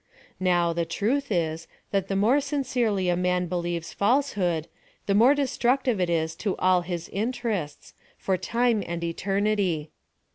Now, tlie truth is, that the more sin cerely a man believes falsehood, the more destruc tive it is to all his interests, for time and eternity.